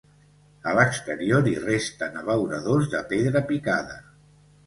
A l'exterior hi resten abeuradors de pedra picada.